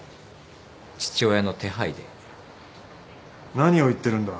何を言ってるんだ。